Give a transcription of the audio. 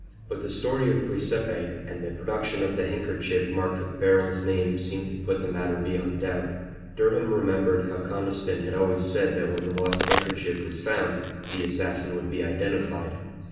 But the story of Guiseppe, and the production of the handkerchief marked with Beryl's name seemed to put the matter beyond doubt. Durham remembered how Conniston had always said that when the lost handkerchief was found the assassin would be identified.